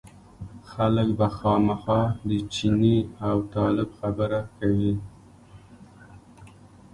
خلک به خامخا د چیني او طالب خبره کوي.